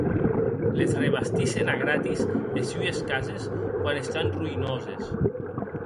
Les rebastissen a gratis es sues cases quan estàn roïnoses.